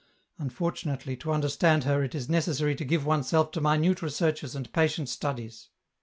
Unfortunately, to understand her, it is necessary to give oneself to minute researches and patient studies.